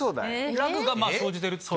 ラグが生じてるってこと？